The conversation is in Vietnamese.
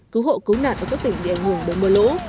cứu hộ cứu nạn ở các tỉnh bị ảnh hưởng bởi mưa lũ